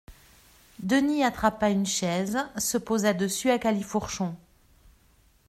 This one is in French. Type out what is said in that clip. Denis attrapa une chaise, se posa dessus à califourchon